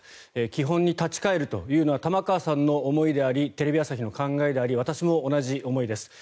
基本に立ち返るというのは玉川さんの思いでありテレビ朝日の考えであり私も同じ思いです。